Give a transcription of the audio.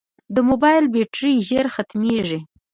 د موبایل بیټرۍ ژر ختمیږي.